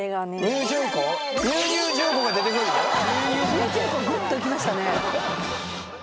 ＮＥＷ淳子グッといきましたね。